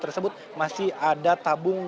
tersebut masih ada tabung